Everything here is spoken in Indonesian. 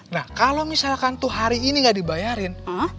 nah kalau misalkan tuh hari ini gak dibayarin